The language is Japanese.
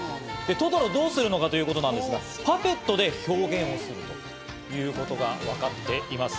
トトロどうするのかということなんですが、パペットで表現するということがわかっています。